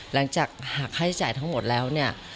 หลังจากหักค่าใช้จ่ายทั้งหมดแล้วเนี่ย